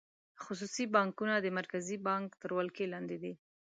خصوصي بانکونه د مرکزي بانک تر ولکې لاندې دي.